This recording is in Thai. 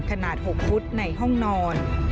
ขนาด๖พุทธิ์ในห้องนอน